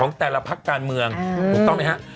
ของแต่ละพักกาลเมืองถูกต้องมายังคะ